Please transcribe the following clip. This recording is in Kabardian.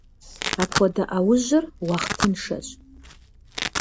Апхуэдэ Ӏэужьыр уахътыншэщ.